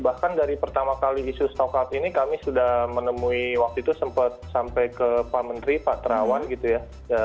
bahkan dari pertama kali isu stock up ini kami sudah menemui waktu itu sempat sampai ke pak menteri pak terawan gitu ya